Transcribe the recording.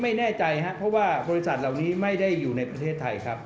ไม่แน่ใจครับเพราะว่าบริษัทเหล่านี้ไม่ได้อยู่ในประเทศไทยครับ